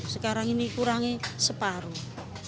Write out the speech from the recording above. sekarang ini kurangi separuh